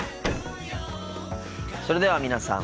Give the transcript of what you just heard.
それでは皆さん